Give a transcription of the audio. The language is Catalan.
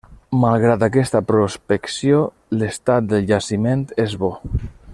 Malgrat aquesta prospecció, l'estat del jaciment és bo.